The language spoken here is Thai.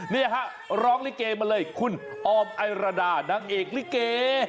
นี่ฮะร้องลิเกมาเลยคุณออมไอรดานางเอกลิเก